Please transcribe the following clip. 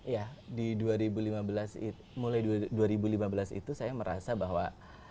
ya di dua ribu lima belas mulai dua ribu lima belas itu saya merasa bahwa